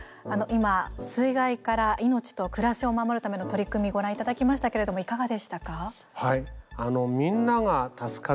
今、水害から命と暮らしを守るための取り組みご覧いただきましたけれどもいかがでしたか？